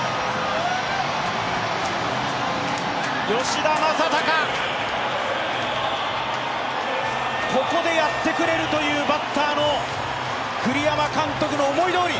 吉田正尚、ここでやってくれるというバッターの栗山監督の思いどおり。